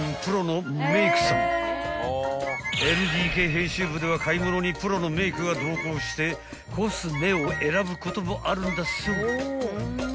［ＬＤＫ編集部では買い物にプロのメイクが同行してコスメを選ぶこともあるんだそう］